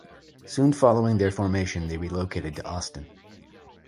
Soon following their formation they relocated to Austin.